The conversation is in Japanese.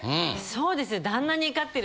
そうです！